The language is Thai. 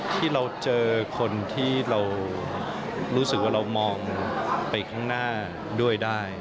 ที่เราเจอคนที่เรารู้สึกว่าเรามองไปข้างหน้าด้วยได้